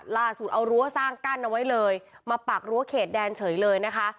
ล่าสุดเอารั้วสร้างกั้นเอาไว้เลยมาปักรั้วเขตแดนเฉยเลยนะคะ